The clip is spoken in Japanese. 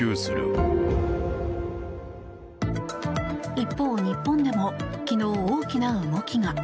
一方、日本でも昨日大きな動きが。